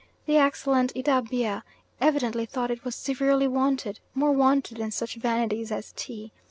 The excellent Idabea evidently thought it was severely wanted, more wanted than such vanities as tea.